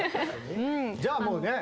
じゃあもうね